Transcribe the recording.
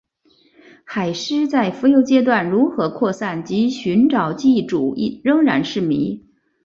海虱在浮游阶段如何扩散及寻找寄主仍然是迷。